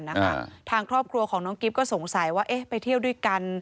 ทางครอบครัวของน้องกิ๊บก็สงสัยว่าเอ๊ะไปเที่ยวด้วยกัน